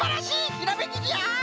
ひらめきじゃ！